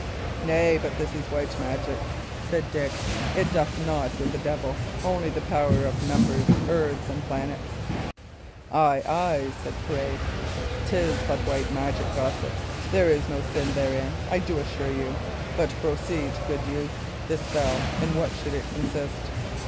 "Nay, but this is white magic," said Dick. "It doth naught with the devil; only the powers of numbers, herbs, and planets." "Ay, ay," said Pirret; "'tis but white magic, gossip. There is no sin therein, I do assure you. But proceed, good youth. This spell in what should it consist?"